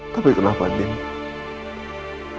tapi kenapa din